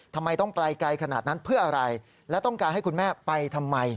ทำไมต้องไปไกลขนาดนั้นเพื่ออะไรและต้องการให้คุณแม่ไปทำไม